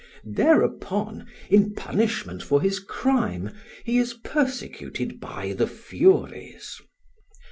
Thereupon, in punishment for his crime, he is persecuted by the Furies.